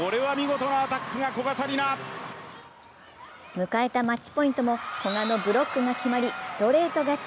迎えたマッチポイントも古賀のブロックが決まりストレート勝ち。